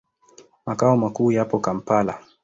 Makao makuu yapo Kampala.